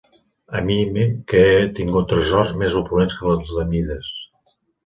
A mi que he tingut tresors més opulents que els de Mides